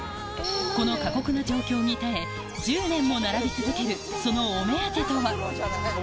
この過酷な状況に耐え１０年も並び続けるそのお目当てとは？